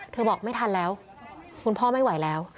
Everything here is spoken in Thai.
บอกไม่ทันแล้วคุณพ่อไม่ไหวแล้ว